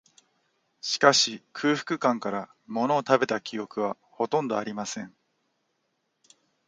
しかし、空腹感から、ものを食べた記憶は、ほとんどありません